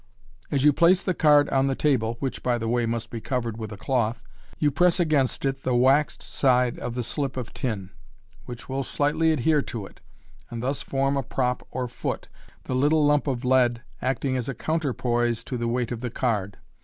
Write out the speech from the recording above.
\s you place the card on the table (which, by the way, must be covered with a cloth), you press against it {see Fig. 49) the waxed side of the slip of tin, which will slightly ad here to it, and thus form a prop or foot, the little lump of lead acting as a counterpoise to the weight of the card.